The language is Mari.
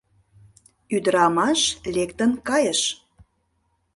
Ӱдырамаш лектын кайыш.